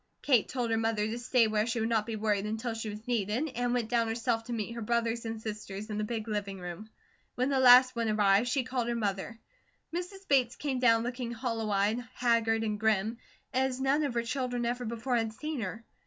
Kate told her mother to stay where she would not be worried until she was needed, and went down herself to meet her brothers and sisters in the big living room. When the last one arrived, she called her mother. Mrs. Bates came down looking hollow eyed, haggard, and grim, as none of her children ever before had seen her.